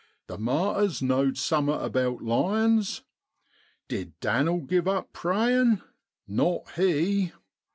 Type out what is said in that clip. The martyrs know'd summat about lions. Did Dan'l giv up prayin' ? Not he.